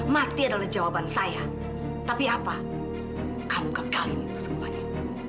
mati adalah jawaban saya tapi apa kamu kekalin itu semuanya